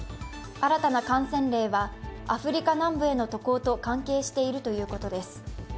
新たな感染例はアフリカ南部への渡航と関係しているということです。